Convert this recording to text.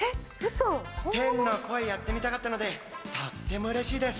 天の声やってみたかったのでとってもうれしいです。